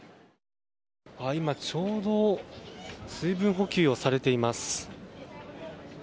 今ちょうど水分補給をされています。